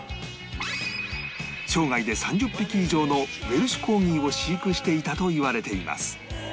生涯で３０匹以上のウェルシュ・コーギーを飼育していたといわれています